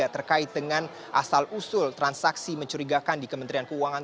terkait dengan asal usul transaksi mencurigakan di kementerian keuangan